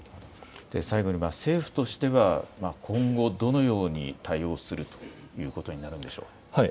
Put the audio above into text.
最後に政府としては今後、どのように対応するということになるんでしょうか。